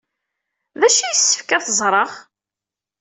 D acu ay yessefk ad t-ẓreɣ?